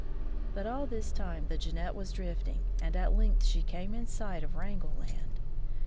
But all this time the Jeannette was, drifting, and at length she came in sight of Wrangel Land.